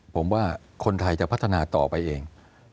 ผมว่าคนไทยจะพัฒนาต่อไปเอง